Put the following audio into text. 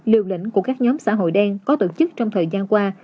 liều lĩnh của các nhóm xã hội đen có tổ chức trong thời gian qua